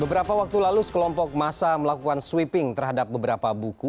beberapa waktu lalu sekelompok masa melakukan sweeping terhadap beberapa buku